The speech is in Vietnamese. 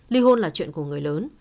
ly hôn là chuyện của người lớn